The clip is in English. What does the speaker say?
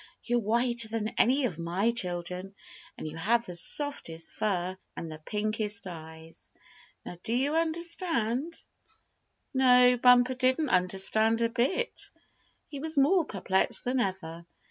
"You're whiter than any of my children, and you have the softest fur, and the pinkest eyes. Now do you understand?" No, Bumper didn't understand a bit. He was more perplexed than ever.